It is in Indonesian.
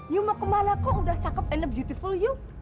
yuk mau kemana kok udah cakep and beautiful yuk